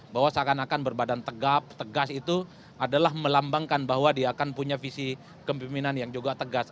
bahwa seakan akan berbadan tegap tegas itu adalah melambangkan bahwa dia akan punya visi kepimpinan yang juga tegas